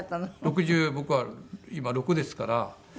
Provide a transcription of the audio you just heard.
六十僕は今６６ですから。